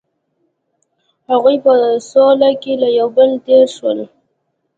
هغوی په سوله کې له یو بل تیر شول.